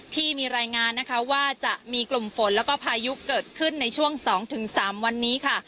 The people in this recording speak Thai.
ที่มีรายงานนะคะว่าจะมีกลุ่มฝนแล้วก็พายุเกิดขึ้นในช่วง๒๓วันนี้ค่ะ